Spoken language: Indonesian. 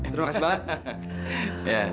terima kasih banget